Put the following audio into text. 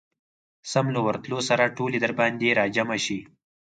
سم له ورتلو سره ټولې درباندي راجمعه شي.